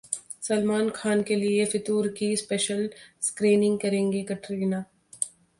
सलमान खान के लिए 'फितूर' की स्पेशल स्क्रीनिंग करेंगी कटरीना